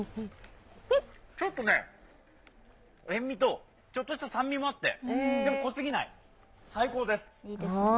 ちょっとね、塩みとちょっとした酸味もあってでも濃すぎない、最高です。